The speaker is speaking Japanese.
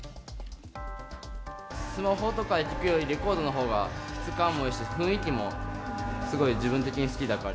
スマホとかで聴くより、レコードのほうが質感もいいし、雰囲気もすごい自分的に好きだから。